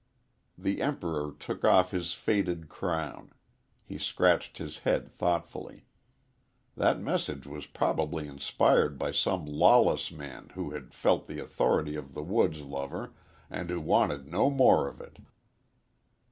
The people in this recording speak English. "_ The Emperor took off his faded crown. He scratched his head thoughtfully. That message was probably inspired by some lawless man who had felt the authority of the woods lover and who wanted no more of it.